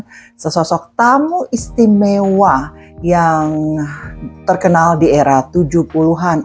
dengan sesosok tamu istimewa yang terkenal di era tujuh puluh an